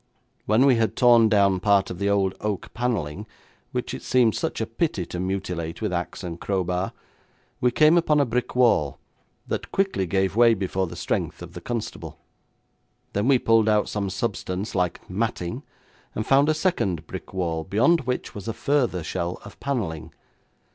When we had torn down part of the old oak panelling, which it seemed such a pity to mutilate with axe and crowbar, we came upon a brick wall, that quickly gave way before the strength of the constable. Then we pulled out some substance like matting, and found a second brick wall, beyond which was a further shell of panelling.